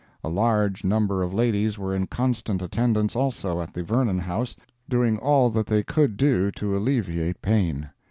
A large number of ladies were in constant attendance also at the Vernon House, doing all that they could do to alleviate pain.